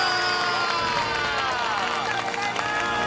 おめでとうございます。